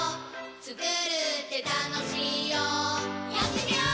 つくるってたのしいよやってみよー！